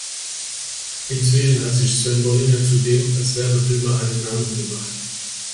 Inzwischen hat sich Sven Bollinger zudem als Werbefilmer einen Namen gemacht.